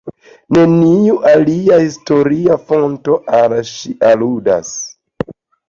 Neniu alia historia fonto al ŝi aludas.